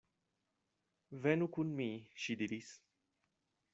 Venu kun mi, ŝi diris.